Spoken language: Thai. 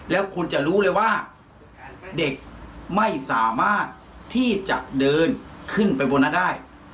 แล้วคุณจะรู้เลยว่าเด็กไม่สามารถที่จะเดินขึ้นไปบนนั้นได้